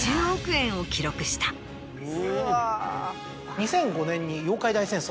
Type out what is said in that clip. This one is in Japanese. ２００５年に『妖怪大戦争』